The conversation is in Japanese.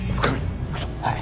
はい。